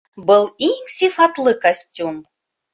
Был иң сифатлы костюм